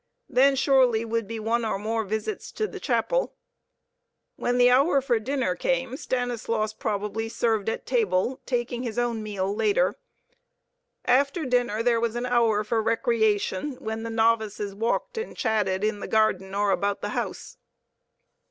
There surely would be one or more visits to the chapel. When the hour for dinner came, Stanislaus probably served at table, taking his own meal later. After dinner there was an hour for recreation, when the novices walked and chatted in the garden or about the house.